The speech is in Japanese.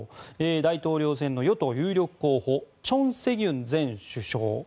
大統領選の与党有力候補チョン・セギュン前首相